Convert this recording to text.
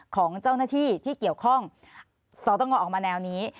ของเจ้าหน้าที่ที่เกี่ยวข้องสตงออกมาแนวนี้